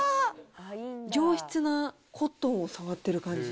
実質なコットンを触ってる感じ。